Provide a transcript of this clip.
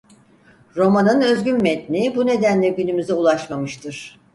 Romanın özgün metni bu nedenle günümüze ulaşmamıştır.